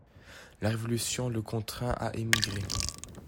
La Révolution le contraint à émigrer.